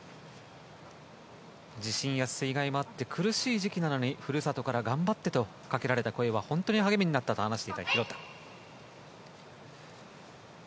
地震や水害もあって苦しい時期なのに故郷から頑張ってとかけられた声は本当に励みになったと話していた廣田。